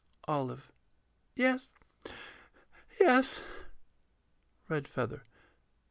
OLIVE. Yes yes. REDFEATHER.